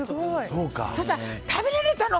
そしたら食べれたの！